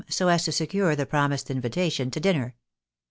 so as to secure the promised invitation to dinner.